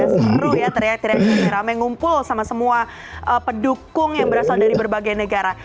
seru ya teriak teriaknya ramai ngumpul sama semua pendukung yang berasal dari berbagai negara